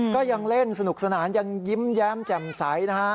ก็ยังเล่นสนุกสนานยังยิ้มแย้มแจ่มใสนะฮะ